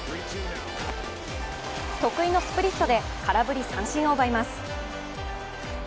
得意のスプリットで空振り三振を奪います。